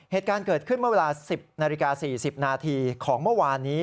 เหตุการณ์เกิดขึ้นเมื่อเวลา๑๐นาฬิกา๔๐นาทีของเมื่อวานนี้